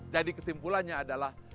jadi kesimpulannya adalah